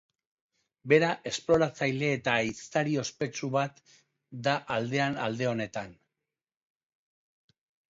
Bera esploratzaile eta ehiztari ospetsu bat da aldean alde honetan.